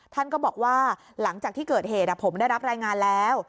ท่านก็บอกว่าหลังจากที่เกิดเหตุผมได้รับรายงานแล้ว